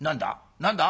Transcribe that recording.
何だ？